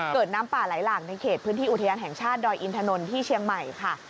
น้ำป่าไหลหลากในเขตพื้นที่อุทยานแห่งชาติดอยอินทนนที่เชียงใหม่ค่ะ